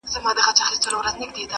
مار هغه دم وو پر پښه باندي چیچلى!